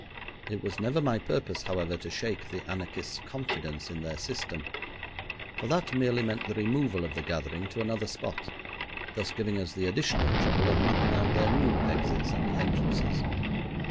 It was never my purpose, however, to shake the anarchists' confidence in their system, for that merely meant the removal of the gathering to another spot, thus giving us the additional trouble of mapping out their new exits and entrances.